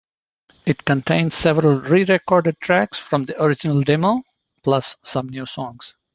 It contains several re-recorded tracks from the original demo, plus some new songs.